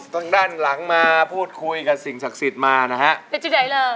ทางด้านหลังมาพูดคุยกับสิ่งศักดิ์สิทธิ์มานะฮะเป็นจุดไหนเลย